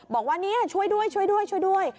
บอกว่านี่ช่วยด้วย